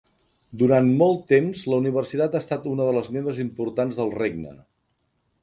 Durant molt temps, la universitat ha estat una de les meves importants del Regne.